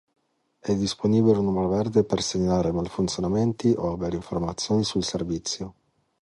È disponibile un numero verde per segnalare malfunzionamenti o avere informazioni sul servizio.